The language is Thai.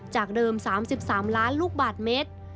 จากเดิม๓๓ล้านลูกบาทเมตร